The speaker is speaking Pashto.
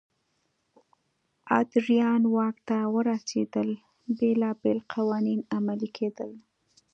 ادریان واک ته ورسېدل بېلابېل قوانین عملي کېدل.